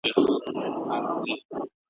شاوخواته تشه توره کربلا وه ,